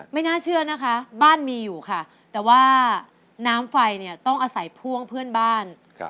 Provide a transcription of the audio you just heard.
ไม่น่าเชื่อนะคะบ้านมีอยู่ค่ะแต่ว่าน้ำไฟเนี่ยต้องอาศัยพ่วงเพื่อนบ้าน